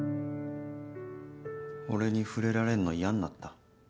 俺に触れられんの嫌になった？